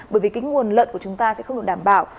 bởi vì cái nguồn lợn của chúng ta sẽ không được đảm bảo